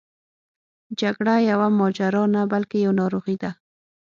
جګړه یوه ماجرا نه بلکې یوه ناروغي ده.